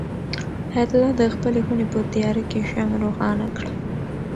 حیات الله د خپلې خونې په تیاره کې شمع روښانه کړه.